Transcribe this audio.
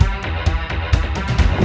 kamu boleh mengawukanku